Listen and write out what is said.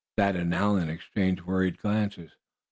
Thad and Allan exchanged worried glances.